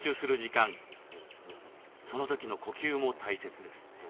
その時の呼吸も大切です。